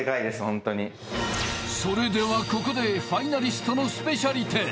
本当にそれではここでファイナリストのスペシャリテ